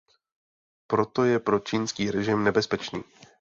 Proto je pro čínský režim nebezpečný.